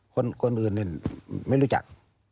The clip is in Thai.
คนอื่นนี่ไม่รู้จัก